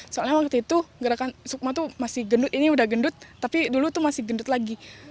soalnya waktu itu gerakan sukma tuh masih gendut ini udah gendut tapi dulu tuh masih gendut lagi